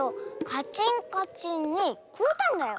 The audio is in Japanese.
カチンカチンにこおったんだよ。